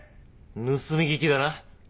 盗み聞きだな！？